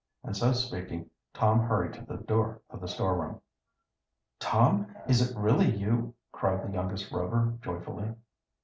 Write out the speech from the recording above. And so speaking Tom hurried to the door of the storeroom. "Tom, is it really you?" cried the youngest Rover joyfully.